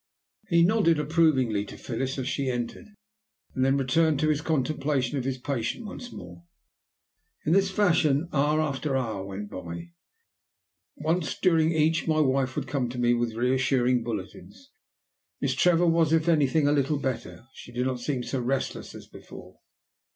He nodded approvingly to Phyllis as she entered, and then returned to his contemplation of his patient once more. In this fashion hour after hour went by. Once during each my wife would come to me with reassuring bulletins. "Miss Trevor was, if anything, a little better, she did not seem so restless as before."